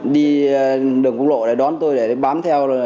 đi đường cung lộ để đón tôi để bám theo